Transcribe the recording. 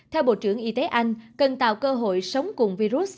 theo bộ trưởng y tế anh cần tạo cơ hội sống cùng virus